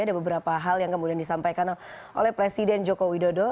ada beberapa hal yang kemudian disampaikan oleh presiden joko widodo